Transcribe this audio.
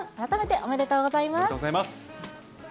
おめでとうございます。